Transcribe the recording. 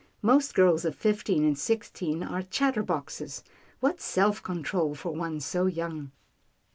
" Most girls of fifteen and six teen are chatterboxes. What self control for one so young."